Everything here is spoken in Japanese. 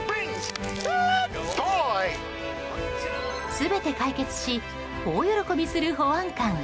全て解決し大喜びする保安官。